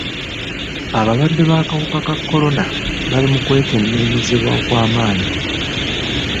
Abalwadde b'akawuka ka kolona bali mu kwekenneenyezebwa okw'amaanyi.